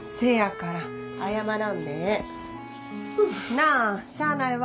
なあしゃあないわ。